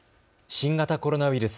新型コロナウイルス。